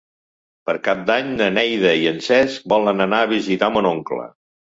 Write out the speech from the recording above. Per Cap d'Any na Neida i en Cesc volen anar a visitar mon oncle.